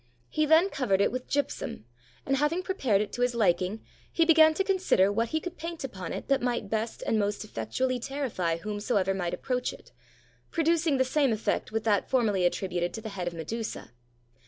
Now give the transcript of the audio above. He then covered it with gypsum, and hav ing prepared it to his liking, he began to consider what he could paint upon it that might best and most effectu ally terrify whomsoever might approach it, producing the same effect with that formerly attributed to the head 83 ITALY of Medusa.